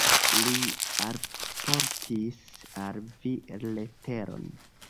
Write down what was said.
Li alportis al vi leteron.